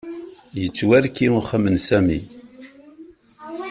Yettwarki uxxam n Sami.